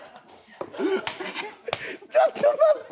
ちょっと待って！